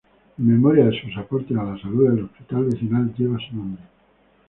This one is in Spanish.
En memoria a sus aportes a la salud, el Hospital Vecinal lleva su nombre.